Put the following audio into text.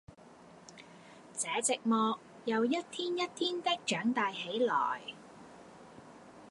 這寂寞又一天一天的長大起來，